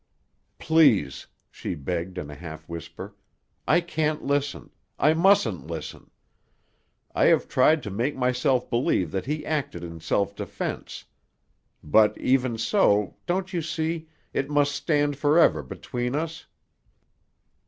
"Please," she begged in a half whisper, "I can't listen. I mustn't listen. I have tried to make myself believe that he acted in self defense. But, even so, don't you see, it must stand forever between us?"